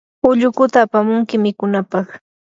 ullukuta apamunki mikunapaq.